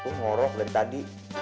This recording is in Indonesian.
tuh ngorok dari tadi